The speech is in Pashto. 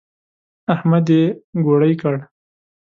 احمد يې ګوړۍ کړ.